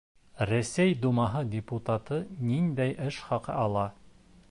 Рәсәй думаһы депутаты ниндәй эш хаҡы ала?